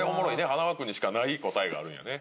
塙君にしかない答えがあるんやね。